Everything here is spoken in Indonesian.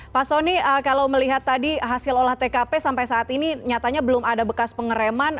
pak soni kalau melihat tadi hasil olah tkp sampai saat ini nyatanya belum ada bekas pengereman